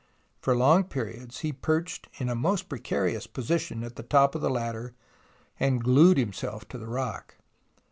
For long periods he perched in a most precarious position at the top of the ladder and glued himself to the rock.